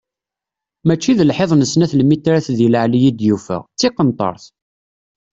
Mačči d lḥiḍ n snat lmitrat di leɛli i d-yufa, d tiqenṭert!